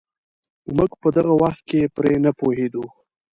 موږ په دغه وخت کې پرې نه پوهېدو.